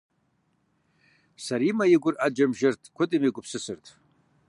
Сэримэ и гур Ӏэджэм жэрт, куэдым егупсысырт.